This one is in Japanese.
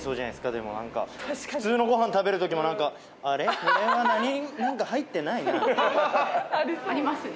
でもなんか普通のご飯食べるときもあれっこれは何か入ってないなありますね・